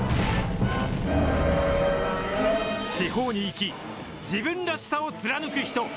地方に生き、自分らしさを貫く人。